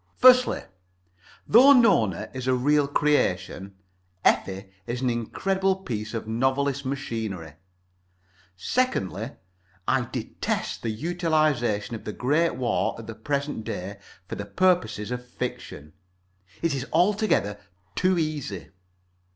Firstly, though Nona is a real creation, Effie is an incredible piece of novelist's machinery. Secondly, I detest the utilization of the Great War at the present day for the purposes of fiction. It is altogether too easy.